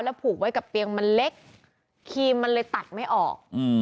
ผูกไว้กับเตียงมันเล็กครีมมันเลยตัดไม่ออก